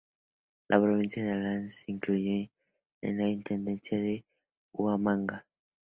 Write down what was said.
La provincia de Andahuaylas se incluyó en la intendencia de Huamanga.